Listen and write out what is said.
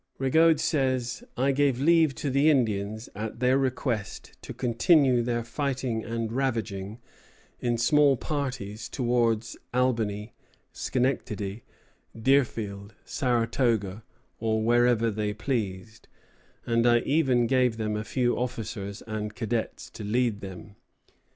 Rigaud says: "I gave leave to the Indians, at their request, to continue their fighting and ravaging, in small parties, towards Albany, Schenectady, Deerfield, Saratoga, or wherever they pleased, and I even gave them a few officers and cadets to lead them."